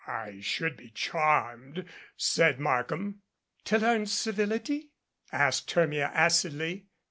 "I should be charmed," said Markham. "To learn civility?" asked Hermia acidly.